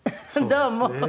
どうも。